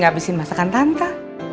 gak abisin masakan tante